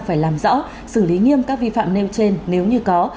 phải làm rõ xử lý nghiêm các vi phạm nêu trên nếu như có